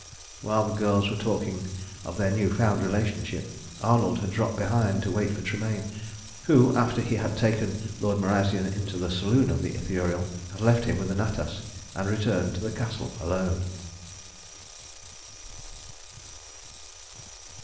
While the girls were talking of their new found relationship, Arnold had dropped behind to wait for Tremayne, who, after he had taken Lord Marazion into the saloon of the Ithuriel, had left him with Natas and returned to the Castle alone.